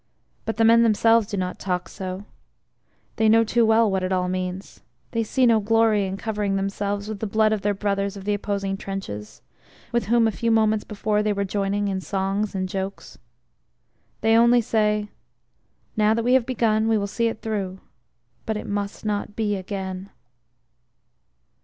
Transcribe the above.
But the men themselves do not talk so. They know too well what it all means. They see no glory in covering themselves with the blood of their brothers of the opposing trenches; with whom a few moments before they were joining in songs and jokes. They only say: Now that we have begun, we will see it through but it must not be Again.